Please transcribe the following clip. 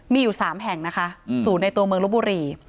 มีอยู่๓แห่งนะคะศูนย์ในตัวเมืองลบบุรี